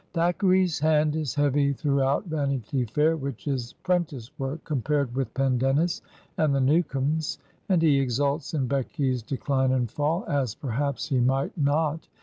Thackeray's hand is heavy through out "Vanity Fair," which is 'prentice work compared with "Pendennis" and "The Newcomes"; and he exidts in Becky's decline and fall, as perhaps he might not.